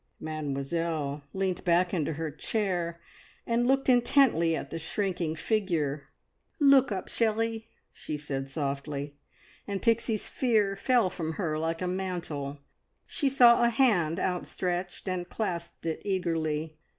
Mademoiselle leant back in her seat and looked intently at the shrinking figure. "Look up, cherie!" she said softly, and Pixie's fear fell from her like a mantle. She saw a hand outstretched, and clasped it eagerly.